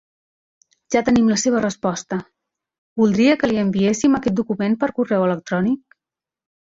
Ja tenim la seva resposta, voldria que li enviéssim aquest document per correu electrònic?